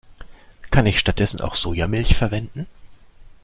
Kann ich stattdessen auch Sojamilch verwenden?